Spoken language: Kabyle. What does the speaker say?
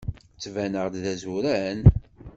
Ttbaneɣ-d d azuran?